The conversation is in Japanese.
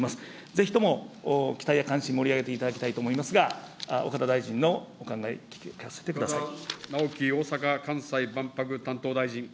ぜひとも期待や関心を盛り上げていただきたいと思いますが、岡田大臣のお考え、聞かせてください。